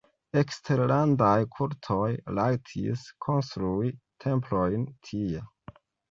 Eksterlandaj kultoj rajtis konstrui templojn tie.